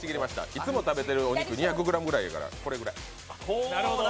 いつも食べているお肉、２００ｇぐらいやから、これぐらい。